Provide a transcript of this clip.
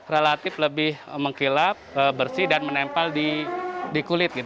relatif lebih mengkilap bersih dan menempel di kulit